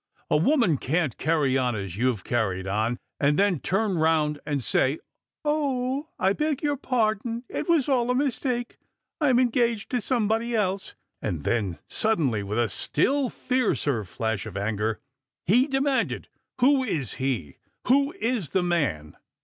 A woman can't carry on as you've carried on, and then turn round and say, 0. I beg your pardon, it was all a mistake ; I'm engaged to somebody else." And then sud denly, with a still hercer flash of anger, he demanded, " Who is he ? Who is the man